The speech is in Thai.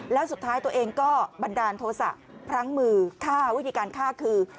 แล้วสุดท้ายตัวเองก็บันดาลโทษะพลั้งมือฆ่าวิธีการฆ่าคือ